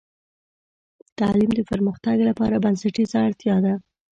تعلیم د پرمختګ لپاره بنسټیزه اړتیا ده.